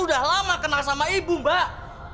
udah lama kenal sama ibu mbak